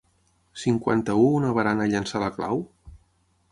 Cinquanta-u una barana i llençar la clau?